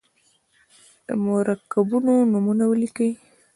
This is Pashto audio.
د مرکبونو نومونه ولیکئ.